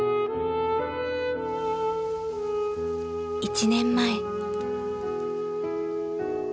［１年前］